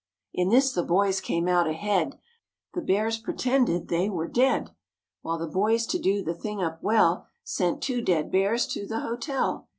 In this the boys came out ahead; The Bears pretended they were dead, While the boys to do the thing up well Sent two dead Bears to the hotel.